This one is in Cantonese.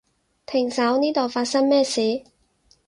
停手，呢度發生咩事？